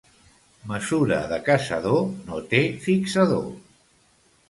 Mesura de caçador no té fixador.